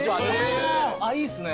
いいっすね。